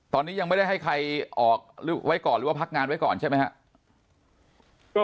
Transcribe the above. ตอนนี้ยังไม่ได้ให้ใครออกไว้ก่อนหรือว่าพักงานไว้ก่อนใช่ไหมครับ